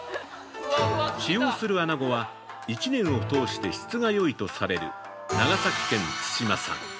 使用するあなごは、１年を通して質がよいとされる長崎県対馬産。